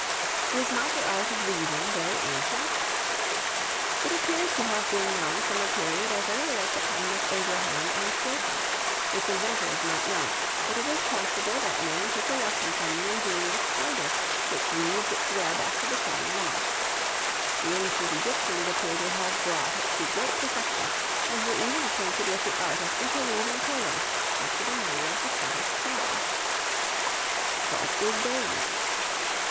Is not the art of weaving very ancient? It appears to have been known from a period as early as the time of Abraham and Jacob; its inventor is not known, but it is possible that men took a lesson from the ingenious spider, which weaves its web after the same manner. The ancient Egyptians appear to have brought it to great perfection, and were even acquainted with the art of interweaving colors after the manner of the Scottish plaid. What is Baize?